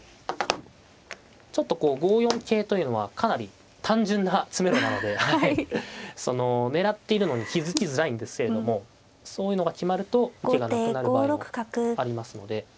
ちょっとこう５四桂というのはかなり単純な詰めろなのでその狙っているのに気付きづらいんですけれどもそういうのが決まると受けがなくなる場合もありますので。